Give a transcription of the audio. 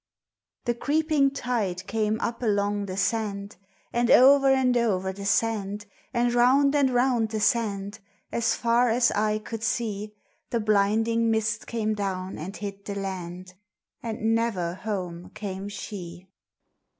The creeping tide came up along the sand, And o'er and o'er the sand, And round and round the sand, As far as eye could see; The blinding mist came down and hid the land: And never home came she.